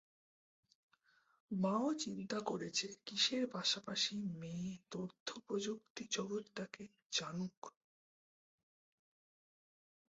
মা ও চিন্তা করেছে কিসের পাশাপাশি মেয়ে তথ্য প্রযুক্তির জগতটাকে জানুক?